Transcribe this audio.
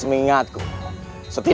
dan menangkan mereka